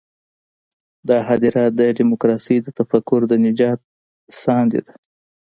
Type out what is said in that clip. دا هدیره د ډیموکراسۍ د تفکر د نجات ساندې ده.